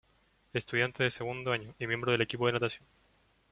Estudiante de segundo año, Y miembro del equipo de natación.